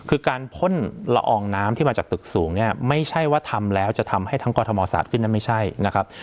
คือการพ่นละอองน้ำที่มาจากตึกสูงเนี่ยไม่ใช่ว่าทำแล้วจะทำให้ทั้งกรทมสาดขึ้นนั้นไม่ใช่นะครับ